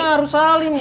harus salim nih mah